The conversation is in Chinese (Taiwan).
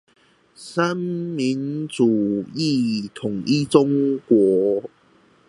三民主義統一中國